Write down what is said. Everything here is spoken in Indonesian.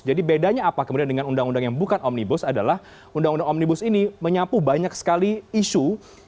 jadi bedanya apa kemudian dengan undang undang yang bukan omnibus adalah undang undang omnibus ini menyapu banyak sekali isu